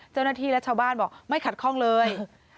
เจ้าหน้าที่และชาวบ้านบอกไม่ขัดข้องเลย